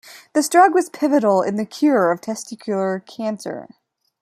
This drug was pivotal in the cure of testicular cancer.